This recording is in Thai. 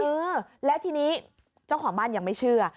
เออแล้วทีนี้เจ้าของบ้านยังไม่เชื่อ